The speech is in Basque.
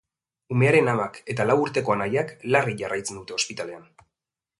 Umearen amak eta lau urteko anaiak larri jarraitzen dute ospitalean.